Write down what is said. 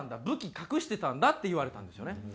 「武器隠してたんだ」って言われたんですよね。